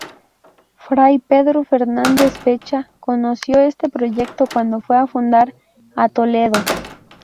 Fray Pedro Fernández Pecha conoció este proyecto cuando fue a fundar a Toledo.